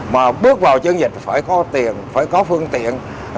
mà bước vào chiến dịch phải có tiền phải có phương tiện